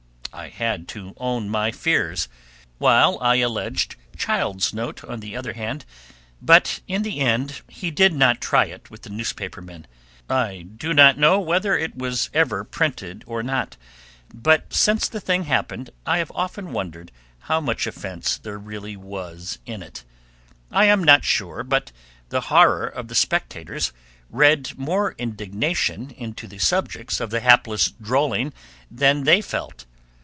I had to own my fears, while I alleged Child's note on the other hand, but in the end he did not try it with the newspaper men. I do not know whether he has ever printed it or not, but since the thing happened I have often wondered how much offence there really was in it. I am not sure but the horror of the spectators read more indignation into the subjects of the hapless drolling than they felt.